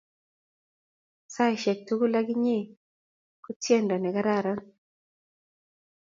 saishek tugul ak inye ko tiendo ne karakaran